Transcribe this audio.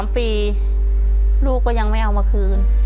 ๓ปีลูกก็ยังไม่เอามาคืน